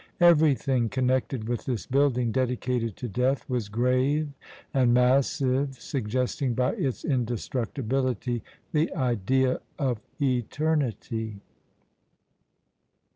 Everything connected with this building, dedicated to death, was grave and massive, suggesting by its indestructibility the idea of eternity.